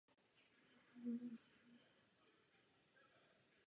Od červnových voleb se situace ještě zhoršila.